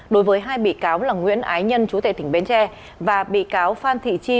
đối với hai bị cáo là nguyễn ái nhân chú tệ tỉnh bến tre và bị cáo phan thị chi